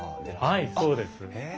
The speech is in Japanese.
はいそうです。へえ。